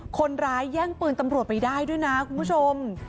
คนร้ายแย่งปืนตำรวจไปได้ด้วยนะคุณผู้ชม